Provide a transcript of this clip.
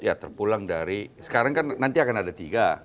ya terpulang dari sekarang kan nanti akan ada tiga